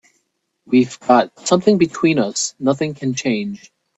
We've got something between us nothing can change.